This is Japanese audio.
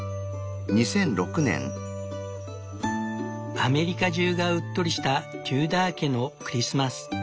アメリカ中がうっとりしたテューダー家のクリスマス。